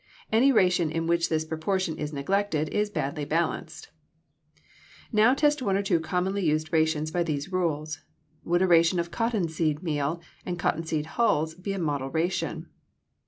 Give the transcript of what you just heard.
Any ration in which this proportion is neglected is badly balanced. Now test one or two commonly used rations by these rules. Would a ration of cotton seed meal and cotton seed hulls be a model ration?